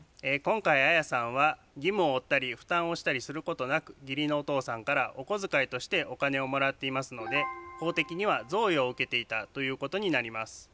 今回アヤさんは義務を負ったり負担をしたりすることなく義理のお父さんからお小遣いとしてお金をもらっていますので法的には贈与を受けていたということになります。